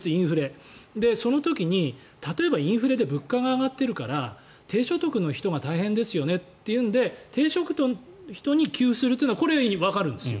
その時に例えば、インフレで物価が上がっているから低所得の人が大変ですよねというので低所得の人に給付するというのはわかるんですよ。